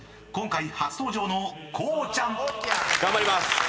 今回初登場のこうちゃん］頑張ります！